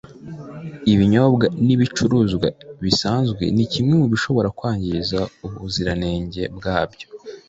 ibinyobwa n’ibicuruzwa bisanzwe ni kimwe mu bishobora kwangiza ubuziranenge bwabyo